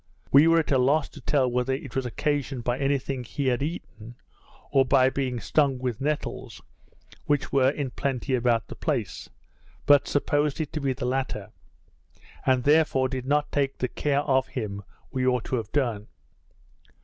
We were at a loss to tell whether it was occasioned by any thing he had eaten, or by being stung with nettles, which were in plenty about the place; but supposed it to be the latter, and therefore did not take the care of him we ought to have done.